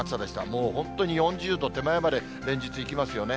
もう本当に４０度手前まで連日、いきますよね。